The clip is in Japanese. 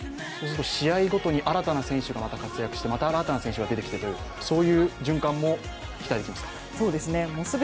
試合ごとに新たな選手がまた活躍して、また新たな選手が出てきてという循環も期待できますか？